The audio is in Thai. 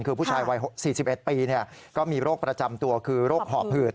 คือผู้ชายวัย๔๑ปีก็มีโรคประจำตัวคือโรคหอบหืด